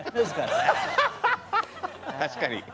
確かに。